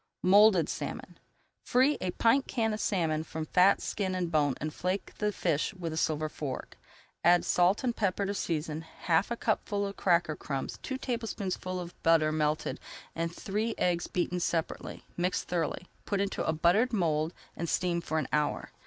MOULDED SALMON Free a pint can of salmon from fat, skin, and bone and flake the fish with a silver fork. Add salt and pepper to season, half a cupful of cracker crumbs, two tablespoonfuls of butter melted, and three eggs beaten separately, mix thoroughly, put into a buttered mould and steam for an hour.